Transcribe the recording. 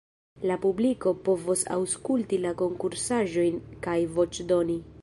La publiko povos aŭskulti la konkursaĵojn kaj voĉdoni.